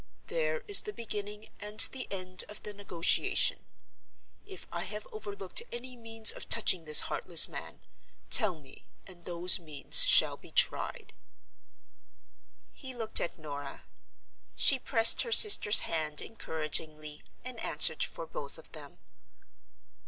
There is the beginning and the end of the negotiation. If I have overlooked any means of touching this heartless man—tell me, and those means shall be tried." He looked at Norah. She pressed her sister's hand encouragingly, and answered for both of them.